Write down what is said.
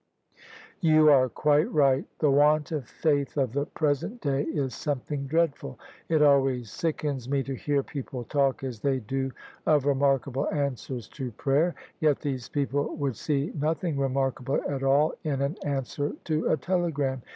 "You are quite right: the want of faith of the present day is something dreadful. It always sickens me to hear people talk as they do of ' remarkable answers to prayer ': yet these people would see nothing remarkable at all in an answer to a telegram!